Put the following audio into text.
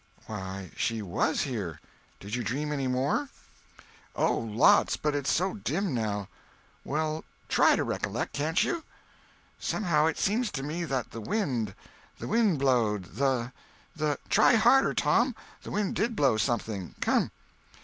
"Why, she was here! Did you dream any more?" "Oh, lots. But it's so dim, now." "Well, try to recollect—can't you?" "Somehow it seems to me that the wind—the wind blowed the—the—" "Try harder, Tom! The wind did blow something. Come!"